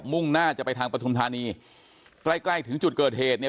่งหน้าจะไปทางปฐุมธานีใกล้ใกล้ถึงจุดเกิดเหตุเนี่ย